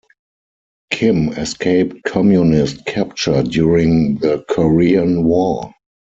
Kim escaped Communist capture during the Korean War.